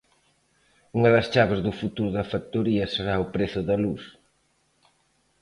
Unha das chaves do futuro da factoría será o prezo da luz.